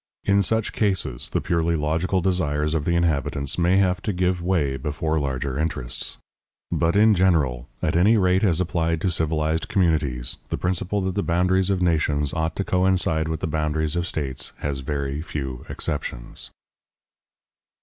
In such cases the purely local desires of the inhabitants may have to give way before larger interests. But in general, at any rate as applied to civilized communities, the principle that the boundaries of nations ought to coincide with the boundaries of states has very few exceptions.